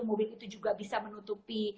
mobil itu juga bisa menutupi